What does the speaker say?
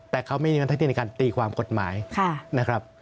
แต่เขาไม่มีวันที่ในการตีความกฎหมายนะครับ